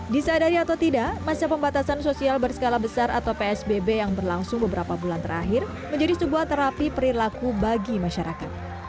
disadari atau tidak masa pembatasan sosial berskala besar atau psbb yang berlangsung beberapa bulan terakhir menjadi sebuah terapi perilaku bagi masyarakat